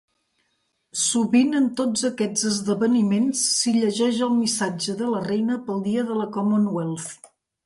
Sovint en tots aquests esdeveniments si llegeix el missatge de la reina pel Dia de la Commonwealth.